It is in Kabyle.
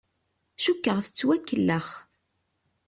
Cukkeɣ tettwakellex.